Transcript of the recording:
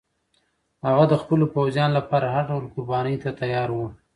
هغه د خپلو پوځیانو لپاره هر ډول قربانۍ ته تیار و.